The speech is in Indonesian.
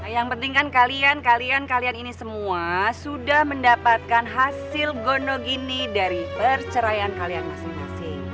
yang penting kan kalian kalian kalian kalian ini semua sudah mendapatkan hasil gonogini dari perceraian kalian masing masing